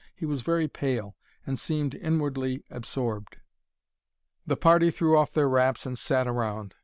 He was very pale, and seemed inwardly absorbed. The party threw off their wraps and sat around.